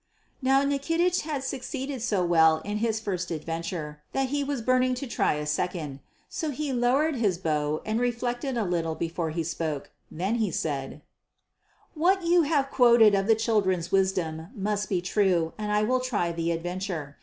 Now Nikitich had succeeded so well in his first adventure that he was burning to try a second. So he lowered his bow and reflected a little before he spoke. Then he said: "What you have quoted of the children's wisdom must be true and I will try the adventure.